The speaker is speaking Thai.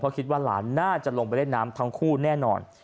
คิดว่าหลานน่าจะลงไปเล่นน้ำทั้งคู่แน่นอน